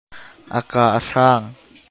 A kaa a hrang.